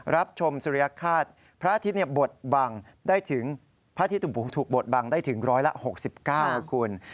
รับชมสุริยคาดพระอาทิตย์ถูกบดบังได้ถึงร้อยละ๖๙ครับคุณ